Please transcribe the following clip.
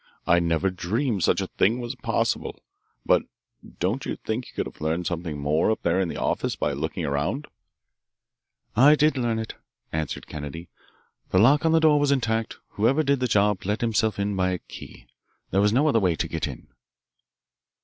I never dreamed such a thing was possible. But don't you think you could have learned something more up there in the office by looking around?" "I did learn it," answered Kennedy. "The lock on the door was intact whoever did the job let himself in by a key. There is no other way to get in."